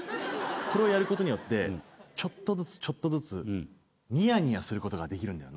これをやることによってちょっとずつちょっとずつニヤニヤすることができるんだよ。